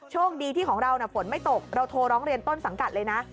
โชคดีที่ของเราฝนไม่ตกเราโทรร้องเรียนต้นสังกัดเลยนะ